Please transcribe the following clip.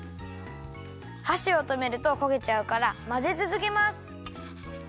はしをとめるとこげちゃうからまぜつづけます。